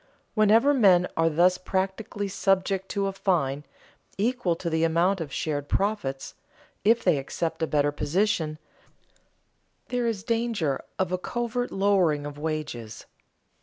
Whenever men are thus practically subject to a fine (equal to the amount of shared profits) if they accept a better position, there is danger of a covert lowering of wages.